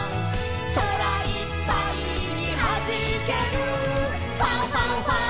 「そらいっぱいにはじける」「ファンファンファン！